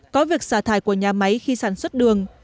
có việc xả thải của nhà máy khi sản xuất đường